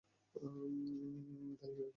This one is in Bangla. দাই মা কী?